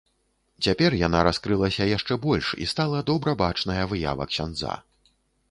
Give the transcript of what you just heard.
Цяпер яна раскрылася яшчэ больш і стала добра бачная выява ксяндза.